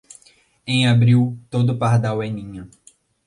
Em abril, todo pardal é ninho.